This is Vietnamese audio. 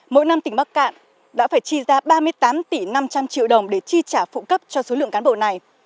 mỗi năm tỉnh bắc cạn đã phải chi ra ba mươi tám tỷ năm trăm linh triệu đồng để chi trả phụ cấp cho số lượng cán bộ này